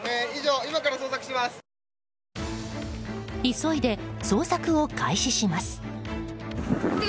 急いで捜索を開始します。